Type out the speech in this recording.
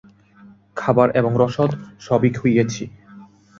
খাবার এবং রসদ সবই খুঁইয়েছি।